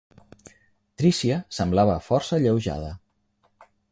Tricia semblava força alleujada.